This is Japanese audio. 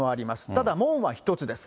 ただ、門は１つです。